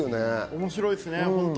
面白いですね。